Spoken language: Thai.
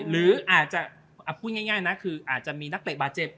หรืออาจจะพูดง่ายนะคืออาจจะมีนักเตะบาดเจ็บ